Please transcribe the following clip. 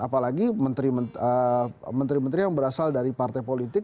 apalagi menteri menteri yang berasal dari partai politik